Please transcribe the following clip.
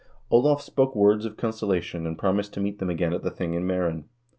Olav spoke words of conciliation and promised to meet them again at the thing in Meeren.